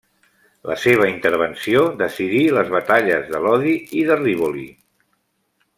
La seva intervenció decidí les batalles de Lodi i de Rivoli.